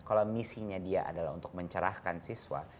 kalau misinya dia adalah untuk mencerahkan siswa